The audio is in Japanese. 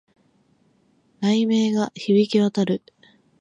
雷鳴が響き渡る